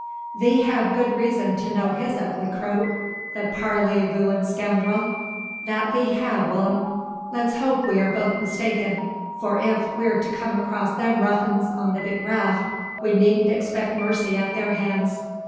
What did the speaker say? "Thee have good reason to know his ugly croak, the parleyvooin' scoundrel! That thee have, Will'm! Let's hope we are both mistaken: for if we're to come across them ruffins on the big raft, we needn't expect mercy at their hands.